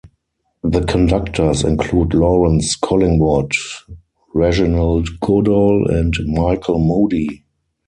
The conductors include Lawrance Collingwood, Reginald Goodall and Michael Mudie.